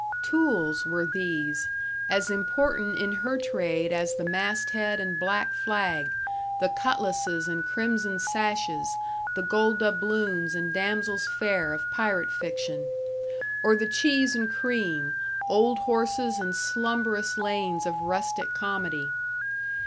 Tools were these, as important in her trade as the masthead and black flag, the cutlasses and crimson sashes, the gold doubloons and damsels fair of pirate fiction; or the cheese and cream, old horses and slumberous lanes of rustic comedy.